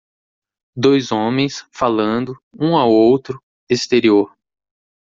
Dois homens, falando, um ao outro, exterior